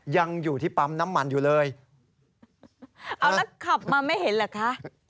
ยังอยู่ที่ปั๊มน้ำมันอยู่เลยเอาแล้วขับมาไม่เห็นเหรอคะ